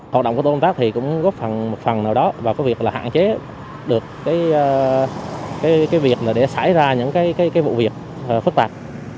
hội động của tổ công tác thì cũng góp phần nào đó và có việc là hạn chế được cái việc để xảy ra những cái vụ việc phức tạp